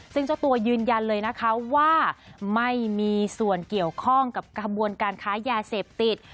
ซึ่งเจ้าตัวยืนยันเลยนะคะว่าไม่มีส่วนเกี่ยวข้องกับกระบวนการค้ายาเสพติด